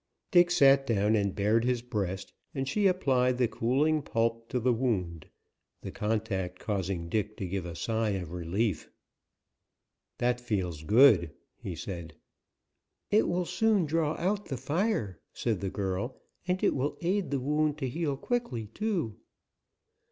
Dick sat down and bared his breast, and she applied the cooling pulp to the wound, the contact causing Dick to give a sigh of relief. "That feels good," he said. "It will soon draw out the fire," said the girl, "and it will aid the wound to heal quickly, too."